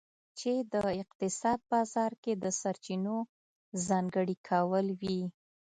چې د اقتصاد بازار کې د سرچینو ځانګړي کول وي.